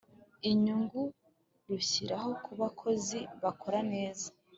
inyungu rushyiraho kuba kozi bakora neza